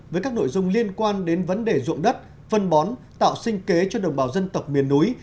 với các nội dung liên quan đến vấn đề dụng đất phân bón tạo sinh kế cho đồng bào dân tộc miền núi